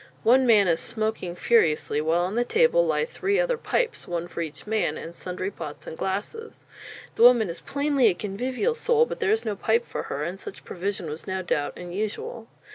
One man is smoking furiously, while on the table lie three other pipes one for each man and sundry pots and glasses. The woman is plainly a convivial soul; but there is no pipe for her, and such provision was no doubt unusual.